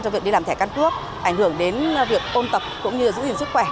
cho việc đi làm thẻ căn cước ảnh hưởng đến việc ôn tập cũng như giữ gìn sức khỏe